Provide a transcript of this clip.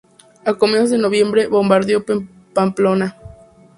A comienzos de noviembre bombardeó Pamplona.